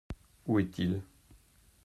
Où est-il ?